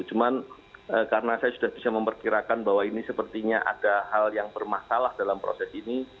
cuman karena saya sudah bisa memperkirakan bahwa ini sepertinya ada hal yang bermasalah dalam proses ini